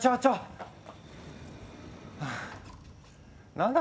何だ？